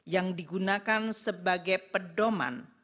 yang digunakan sebagai pedoman